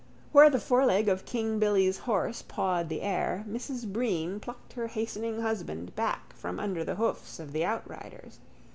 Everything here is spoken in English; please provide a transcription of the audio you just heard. Where the foreleg of King Billy's horse pawed the air Mrs Breen plucked her hastening husband back from under the hoofs of the outriders.